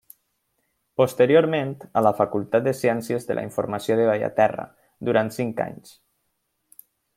Posteriorment a la facultat de Ciències de la Informació de Bellaterra, durant cinc anys.